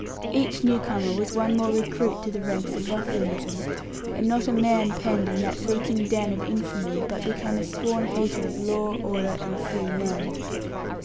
Each new comer was one more recruit to the ranks of ruffianism, and not a man penned in that reeking den of infamy but became a sworn hater of law, order, and "free men."